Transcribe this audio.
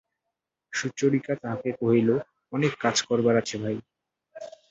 সুচরিতা তাহাকে কহিল, অনেক কাজ করবার আছে ভাই।